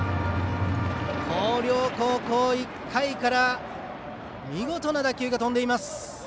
広陵高校、１回から見事な打球が飛んでいます。